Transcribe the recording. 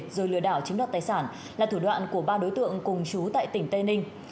rồi lừa đảo chiếm đoạt tài sản là thủ đoạn của ba đối tượng cùng chú tại tỉnh tây ninh